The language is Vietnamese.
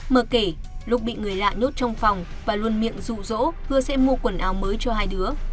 mơ kể lúc bị người lạ nhốt trong phòng và luôn miệng rụ rỗ hứa sẽ mua quần áo mới cho hai đứa